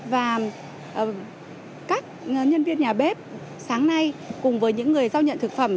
và các nhân viên nhà bếp sáng nay cùng với những người giao nhận thực phẩm